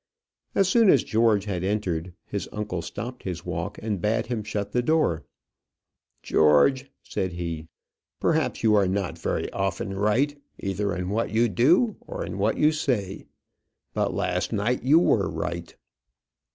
As soon as George had entered, his uncle stopped his walk, and bade him shut the door. "George," said he, "perhaps you are not very often right, either in what you do or what you say; but last night you were right."